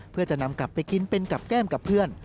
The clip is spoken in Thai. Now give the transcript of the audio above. เพื่อจะนำกลับไปกินเป็นกับแก้มกับเพื่อน